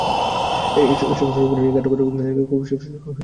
এসব স্মরণসভায় গিয়ে নাট্যকার, কথাসাহিত্যিক, কবি, মানুষ সৈয়দ হককে চিনতে পারছি।